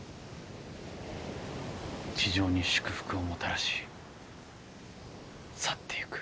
地上に祝福をもたらし去っていく。